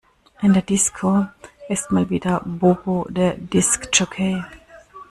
In der Disco ist mal wieder Bobo der Disk Jockey.